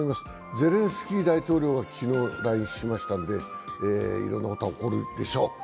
ゼレンスキー大統領は昨日来日しましたので、いろんなことが起こるでしょう。